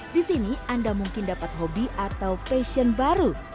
di sini anda mungkin dapat hobi atau passion baru